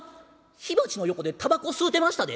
火鉢の横でたばこ吸うてましたで」。